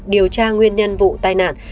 điều tra nguyên nhân vụ tai nạn